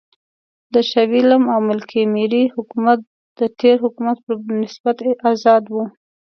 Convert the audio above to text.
د شاه وېلیم او ملکې مېري حکومت د تېر حکومت پر نسبت آزاد و.